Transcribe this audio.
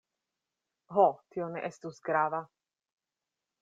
Ho, tio ne estus grava!